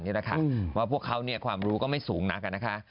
เพราะว่าพวกเขาความรู้ไม่สูงนัก